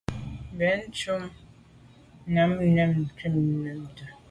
Benntùn boa nyàm nke mbùnte.